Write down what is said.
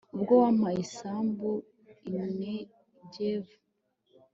ubwo wampaye isambu i negevu